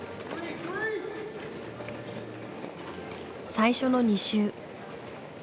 最初の２周。